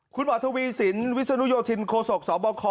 คุณหวัดทวีศิลป์วิศนโยธินโคศกสบค